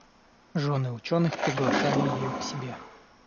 Жены ученых приглашали ее к себе.